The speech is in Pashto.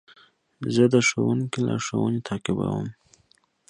زه د ښوونکي لارښوونې تعقیبوم.